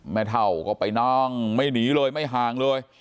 แม่เถ้าก็ไปน้องไม่หนีเลยไม่ห่างเลย